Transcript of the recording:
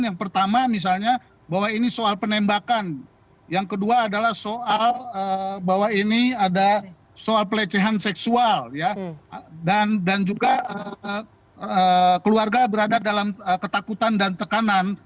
yang pertama misalnya bahwa ini soal penembakan yang kedua adalah soal bahwa ini ada soal pelecehan seksual dan juga keluarga berada dalam ketakutan dan tekanan